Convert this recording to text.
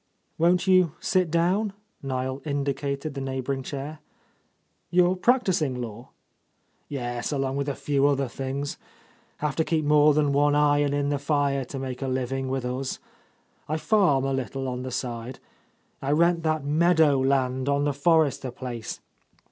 "Won't you sit down?" Niel indicated the neighbouring chair. "You are practising law?" "Yes, along with a few other things. Have to keep more than one iron in the fire to make a living with us. I farm a little on the side. I rent that meadow land on the Forrester place.